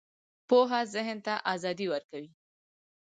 پوهه ذهن ته ازادي ورکوي